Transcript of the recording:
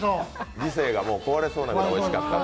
理性が壊れそうなくらいおいしかったと。